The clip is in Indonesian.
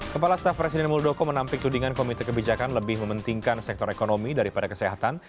kepala staf presiden muldoko menampik tudingan komite kebijakan lebih mementingkan sektor ekonomi daripada kesehatan